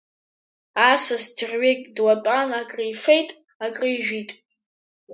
Асас дырҩегь длатәан акрифеит, акрижәит.